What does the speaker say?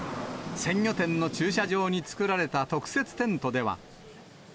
鮮魚店の駐車場に作られた特設テントでは。